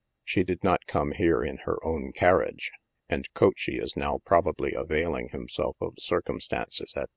She did not come hero in her own carriage an 3 coachey is now probably availing himself of circumstances at t!